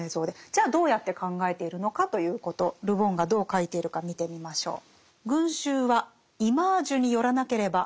じゃあどうやって考えているのかということル・ボンがどう書いているか見てみましょう。